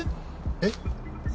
えっ？